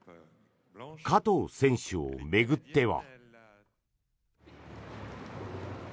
加藤選手を巡っては。